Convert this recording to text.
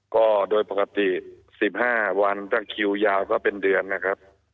ก็โดยปกติ๑๕วันถ้าคิวยาวก็เป็นเดือนนะครับ